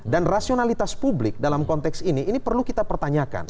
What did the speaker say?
dan rasionalitas publik dalam konteks ini ini perlu kita pertanyakan